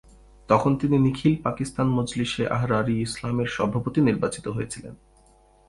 তখন তিনি নিখিল পাকিস্তান মজলিস-এ-আহরার-ই-ইসলামের সভাপতি নির্বাচিত হয়েছিলেন।